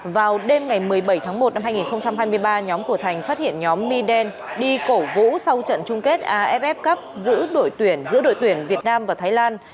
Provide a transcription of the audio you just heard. vào đêm ngày một mươi bảy tháng một năm hai nghìn hai mươi ba nhóm của thành phát hiện nhóm mi đen đi cổ vũ sau trận chung kết aff cup giữa đội tuyển giữa đội tuyển việt nam và thái lan